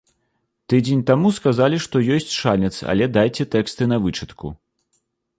Тыдзень таму сказалі, што ёсць шанец, але дайце тэксты на вычытку.